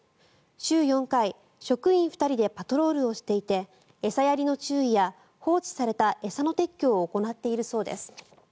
週４回、職員２人でパトロールをしていて餌やりの注意や放置された餌の撤去を行っているそうです。